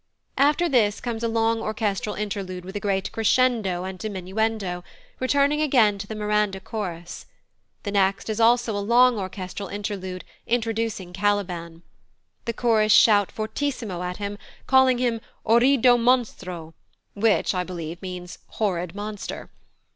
After this comes a long orchestral interlude with a great crescendo and diminuendo, returning again to the Miranda chorus. The next is also a long orchestral interlude, introducing Caliban. The chorus shout fortissimo at him, calling him "Orrido monstro," which, I believe, means "horrid monster."